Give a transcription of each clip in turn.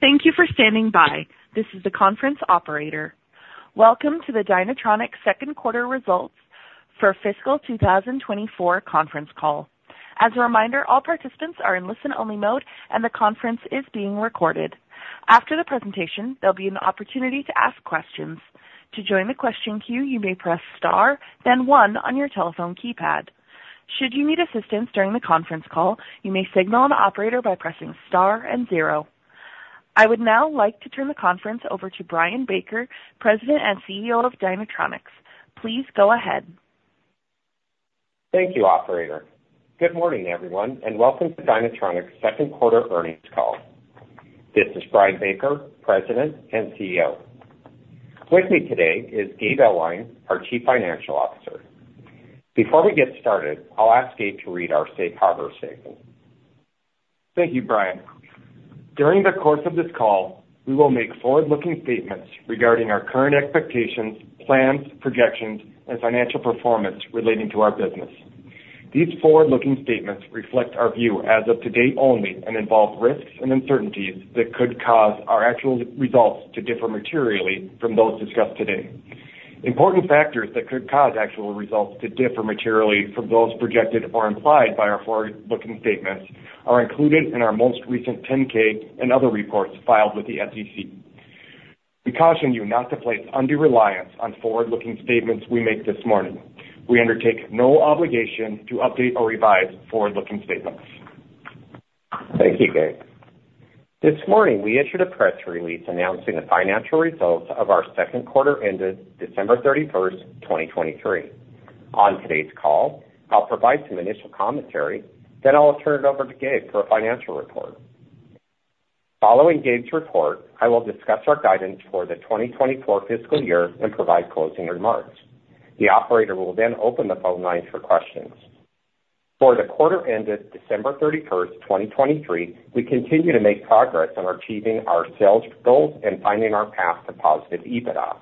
Thank you for standing by. This is the conference operator. Welcome to the Dynatronics second quarter results for fiscal 2024 conference call. As a reminder, all participants are in listen-only mode, and the conference is being recorded. After the presentation, there'll be an opportunity to ask questions. To join the question queue, you may press star, then one on your telephone keypad. Should you need assistance during the conference call, you may signal an operator by pressing star and zero. I would now like to turn the conference over to Brian Baker, President and CEO of Dynatronics. Please go ahead. Thank you, operator. Good morning, everyone, and welcome to Dynatronics' second quarter earnings call. This is Brian Baker, President and CEO. With me today is Gabe Ellwein, our Chief Financial Officer. Before we get started, I'll ask Gabe to read our safe harbor statement. Thank you, Brian. During the course of this call, we will make forward-looking statements regarding our current expectations, plans, projections, and financial performance relating to our business. These forward-looking statements reflect our view as of today only and involve risks and uncertainties that could cause our actual results to differ materially from those discussed today. Important factors that could cause actual results to differ materially from those projected or implied by our forward-looking statements are included in our most recent 10-K and other reports filed with the SEC. We caution you not to place undue reliance on forward-looking statements we make this morning. We undertake no obligation to update or revise forward-looking statements. Thank you, Gabe. This morning, we issued a press release announcing the financial results of our second quarter ended December 31st, 2023. On today's call, I'll provide some initial commentary, then I'll turn it over to Gabe for a financial report. Following Gabe's report, I will discuss our guidance for the 2024 fiscal year and provide closing remarks. The operator will then open the phone lines for questions. For the quarter ended December 31st, 2023, we continue to make progress on achieving our sales goals and finding our path to positive EBITDA.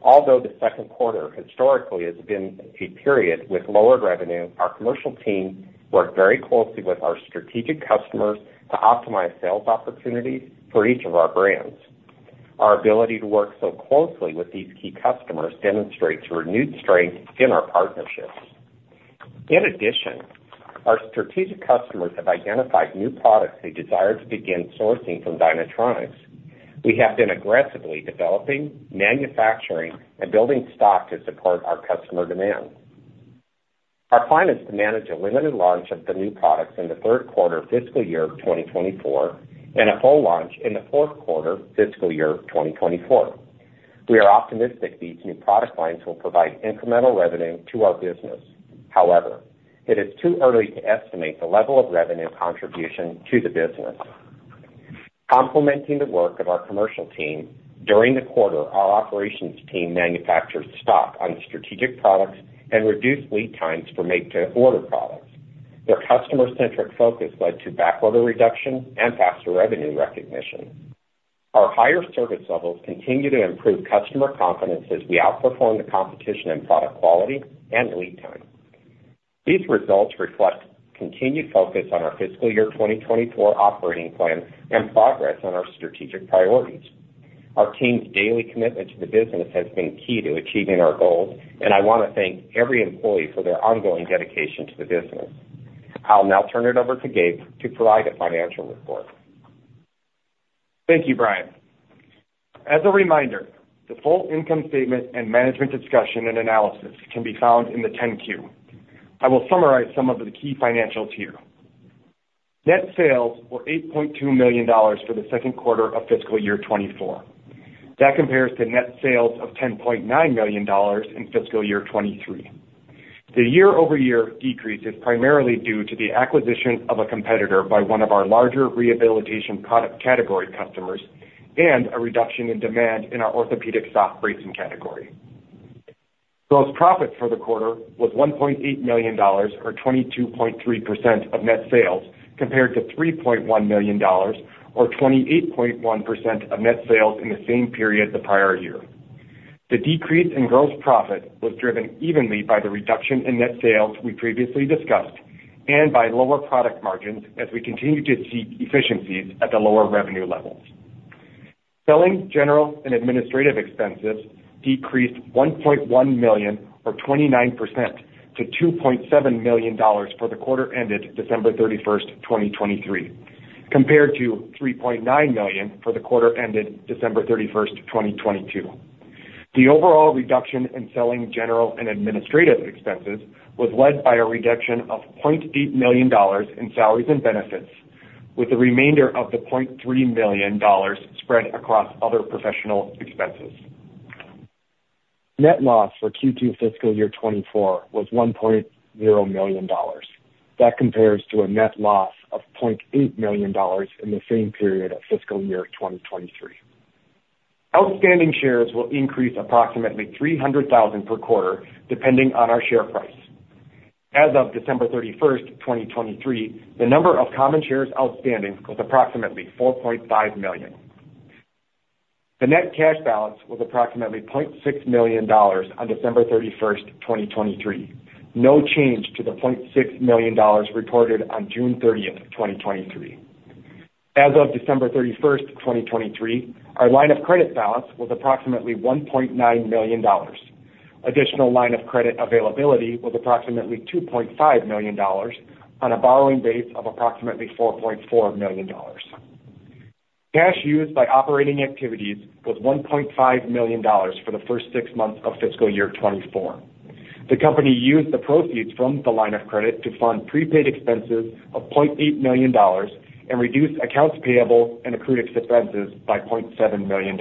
Although the second quarter historically has been a period with lowered revenue, our commercial team worked very closely with our strategic customers to optimize sales opportunities for each of our brands. Our ability to work so closely with these key customers demonstrates renewed strength in our partnerships. In addition, our strategic customers have identified new products they desire to begin sourcing from Dynatronics. We have been aggressively developing, manufacturing, and building stock to support our customer demand. Our plan is to manage a limited launch of the new products in the third quarter fiscal year of 2024, and a full launch in the fourth quarter fiscal year of 2024. We are optimistic these new product lines will provide incremental revenue to our business. However, it is too early to estimate the level of revenue contribution to the business. Complementing the work of our commercial team, during the quarter, our operations team manufactured stock on strategic products and reduced lead times for make-to-order products. Their customer-centric focus led to backorder reduction and faster revenue recognition. Our higher service levels continue to improve customer confidence as we outperform the competition in product quality and lead time. These results reflect continued focus on our fiscal year 2024 operating plan and progress on our strategic priorities. Our team's daily commitment to the business has been key to achieving our goals, and I wanna thank every employee for their ongoing dedication to the business. I'll now turn it over to Gabe to provide a financial report. Thank you, Brian. As a reminder, the full income statement and management discussion and analysis can be found in the 10-Q. I will summarize some of the key financials here. Net sales were $8.2 million for the second quarter of fiscal year 2024. That compares to net sales of $10.9 million in fiscal year 2023. The year-over-year decrease is primarily due to the acquisition of a competitor by one of our larger rehabilitation product category customers and a reduction in demand in our orthopedic stock bracing category. Gross profit for the quarter was $1.8 million, or 22.3% of net sales, compared to $3.1 million, or 28.1% of net sales in the same period the prior year. The decrease in gross profit was driven evenly by the reduction in net sales we previously discussed and by lower product margins as we continue to seek efficiencies at the lower revenue levels. Selling, general, and administrative expenses decreased $1.1 million, or 29%, to $2.7 million for the quarter ended December 31st, 2023, compared to $3.9 million for the quarter ended December 31st, 2022. The overall reduction in selling, general, and administrative expenses was led by a reduction of $0.8 million in salaries and benefits, with the remainder of the $0.3 million spread across other professional expenses. Net loss for Q2 fiscal year 2024 was $1.0 million. That compares to a net loss of $0.8 million in the same period of fiscal year 2023. Outstanding shares will increase approximately 300,000 per quarter, depending on our share price. As of December 31st, 2023, the number of common shares outstanding was approximately $4.5 million. The net cash balance was approximately $0.6 million on December 31st, 2023. No change to the $0.6 million reported on June 30th, 2023. As of December 31st, 2023, our line of credit balance was approximately $1.9 million. Additional line of credit availability was approximately $2.5 million on a borrowing base of approximately $4.4 million. Cash used by operating activities was $1.5 million for the first six months of fiscal year 2024. The company used the proceeds from the line of credit to fund prepaid expenses of $0.8 million and reduce accounts payable and accrued expenses by $0.7 million.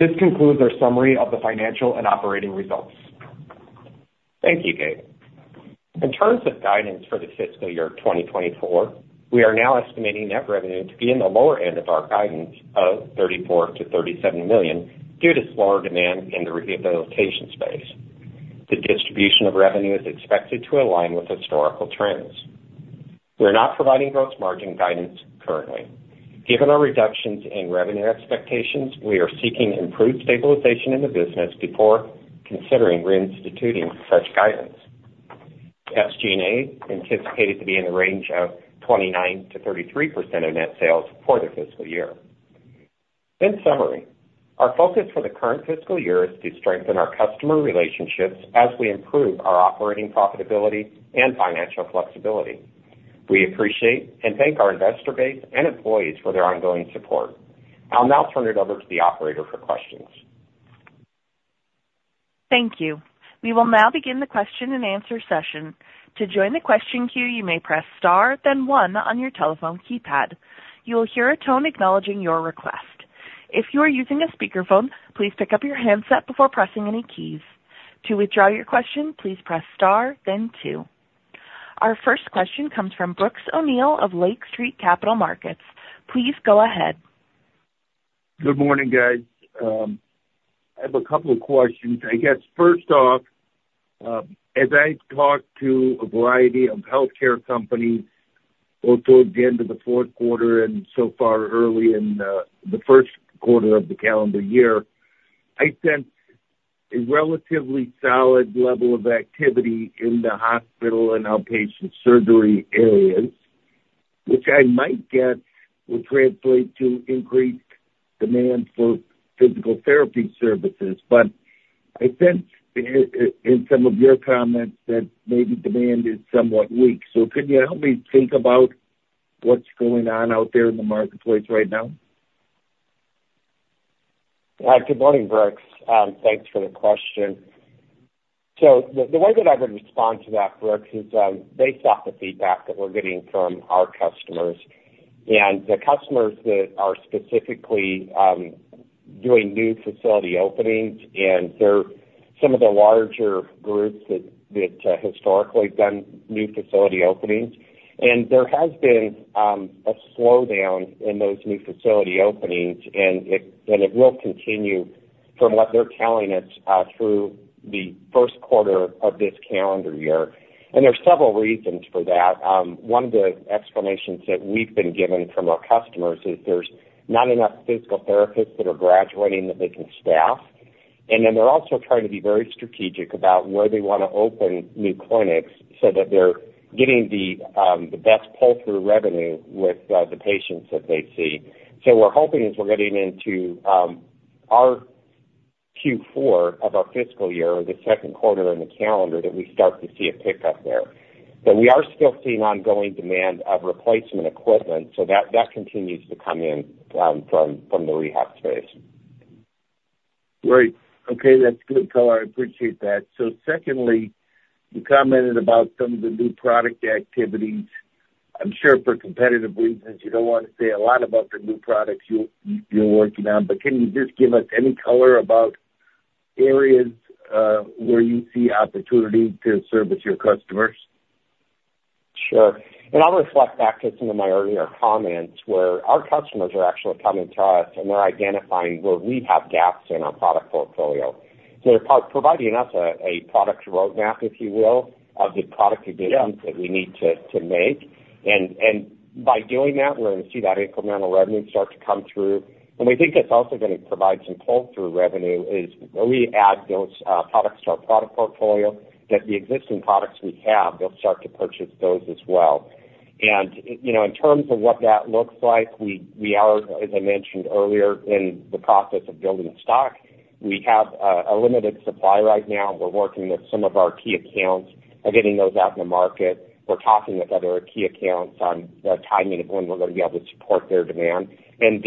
This concludes our summary of the financial and operating results. Thank you, Gabe. In terms of guidance for the fiscal year 2024, we are now estimating net revenue to be in the lower end of our guidance of $34 million-$37 million, due to slower demand in the rehabilitation space. The distribution of revenue is expected to align with historical trends. We are not providing gross margin guidance currently. Given our reductions in revenue expectations, we are seeking improved stabilization in the business before considering reinstituting such guidance. SG&A anticipated to be in the range of 29%-33% of net sales for the fiscal year. In summary, our focus for the current fiscal year is to strengthen our customer relationships as we improve our operating profitability and financial flexibility. We appreciate and thank our investor base and employees for their ongoing support. I'll now turn it over to the operator for questions. Thank you. We will now begin the question-and-answer session. To join the question queue, you may press Star, then one on your telephone keypad. You will hear a tone acknowledging your request. If you are using a speakerphone, please pick up your handset before pressing any keys. To withdraw your question, please press Star then two. Our first question comes from Brooks O'Neil of Lake Street Capital Markets. Please go ahead. Good morning, guys. I have a couple of questions. I guess first off, as I talked to a variety of healthcare companies both towards the end of the fourth quarter and so far early in the first quarter of the calendar year, I sense a relatively solid level of activity in the hospital and outpatient surgery areas, which I might guess will translate to increased demand for physical therapy services. But I sense in some of your comments that maybe demand is somewhat weak. So could you help me think about what's going on out there in the marketplace right now? Good morning, Brooks. Thanks for the question. So the way that I would respond to that, Brooks, is based off the feedback that we're getting from our customers and the customers that are specifically doing new facility openings, and they're some of the larger groups that historically done new facility openings. And there has been a slowdown in those new facility openings, and it will continue from what they're telling us through the first quarter of this calendar year. And there are several reasons for that. One of the explanations that we've been given from our customers is there's not enough physical therapists that are graduating that they can staff, and then they're also trying to be very strategic about where they want to open new clinics so that they're getting the, the best pull-through revenue with, the patients that they see. So we're hoping as we're getting into, our Q4 of our fiscal year, or the second quarter in the calendar, that we start to see a pickup there. But we are still seeing ongoing demand of replacement equipment, so that, that continues to come in, from, from the rehab space. Great. Okay, that's good color. I appreciate that. So secondly, you commented about some of the new product activities. I'm sure for competitive reasons, you don't want to say a lot about the new products you're working on, but can you just give us any color about areas where you see opportunity to service your customers? Sure. I'll reflect back to some of my earlier comments, where our customers are actually coming to us, and we're identifying where we have gaps in our product portfolio. They're providing us a product roadmap, if you will, of the product additions. Yeah that we need to make. And by doing that, we're going to see that incremental revenue start to come through. And we think that's also going to provide some pull-through revenue, is when we add those products to our product portfolio, that the existing products we have, they'll start to purchase those as well. And, you know, in terms of what that looks like, we are, as I mentioned earlier, in the process of building stock. We have a limited supply right now. We're working with some of our key accounts on getting those out in the market. We're talking with other key accounts on the timing of when we're going to be able to support their demand. And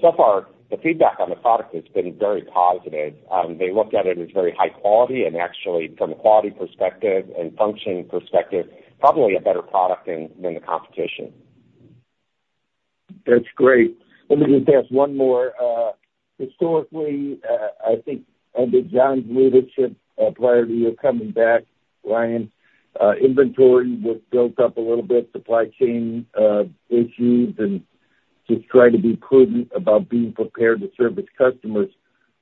so far, the feedback on the product has been very positive. They look at it as very high quality and actually from a quality perspective and functioning perspective, probably a better product than the competition. That's great. Let me just ask one more. Historically, I think under John's leadership, prior to you coming back, Brian, inventory was built up a little bit, supply chain issues, and just trying to be prudent about being prepared to serve its customers.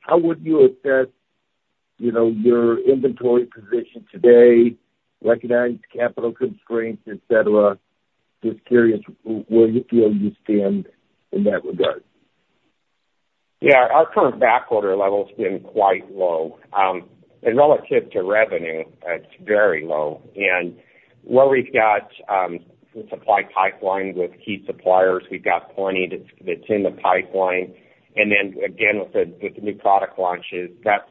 How would you assess, you know, your inventory position today, recognizing capital constraints, et cetera? Just curious, where you feel you stand in that regard. Yeah. Our current backorder level's been quite low. And relative to revenue, it's very low. And where we've got supply pipelines with key suppliers, we've got plenty that's in the pipeline. And then again, with the new product launches, that's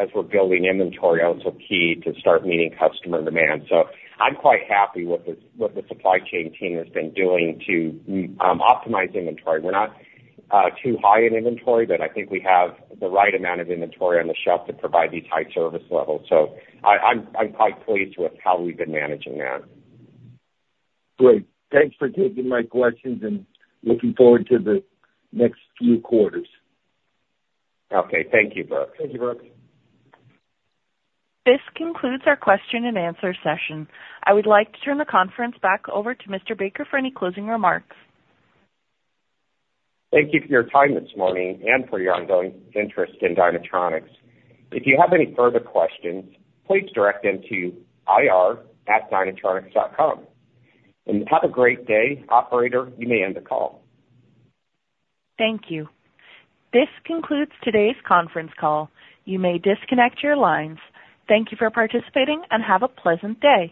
as we're building inventory, also key to start meeting customer demand. So I'm quite happy what the supply chain team has been doing to optimize inventory. We're not too high in inventory, but I think we have the right amount of inventory on the shelf to provide these high service levels. So I'm quite pleased with how we've been managing that. Great. Thanks for taking my questions, and looking forward to the next few quarters. Okay. Thank you, Brooks. Thank you, Brooks. This concludes our question and answer session. I would like to turn the conference back over to Mr. Baker for any closing remarks. Thank you for your time this morning and for your ongoing interest in Dynatronics. If you have any further questions, please direct them to ir@dynatronics.com. Have a great day. Operator, you may end the call. Thank you. This concludes today's conference call. You may disconnect your lines. Thank you for participating and have a pleasant day.